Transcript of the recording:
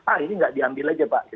pak ini tidak diambil saja pak